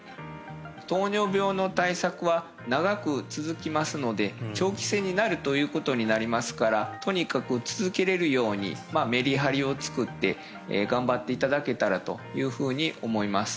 糖尿病の対策は長く続きますので長期戦になるということになりますからとにかく続けれるようにメリハリを作って頑張っていただけたらというふうに思います